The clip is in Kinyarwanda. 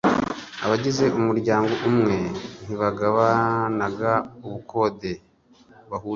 abagize umuryango umwe ntibagabanaga ubukonde bahuriyeho